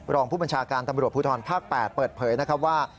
รองผู้บัญชาการตำรวจภูทรภาค๘เปิดเผยนะครับว่า